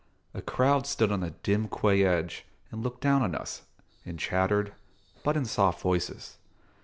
A crowd stood on the dim quay edge and looked down on us, and chattered, but in soft voices.